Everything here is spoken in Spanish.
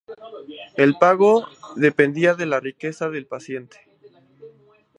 El pago dependía de la riqueza del paciente.